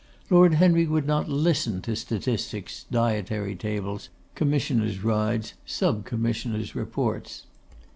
Lord Henry would not listen to statistics, dietary tables, Commissioners' rides, Sub commissioners' reports.